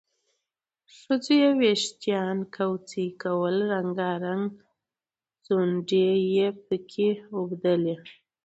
ښځو یې وېښتان کوڅۍ کول، رنګارنګ ځونډي یې پکې اوبدلي وو